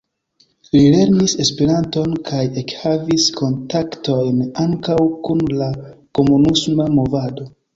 Li lernis Esperanton, kaj ekhavis kontaktojn ankaŭ kun la komunisma movado.